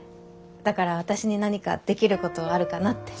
だから私に何かできることはあるかなって。